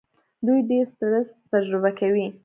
دوی ډېر سټرس تجربه کوي.